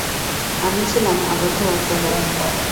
আমি ছিলাম আবদ্ধ, অসহায়।